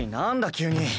急に。